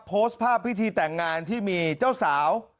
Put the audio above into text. โพสต์ภาพพิธีแต่งงานที่มีเจ้าสาว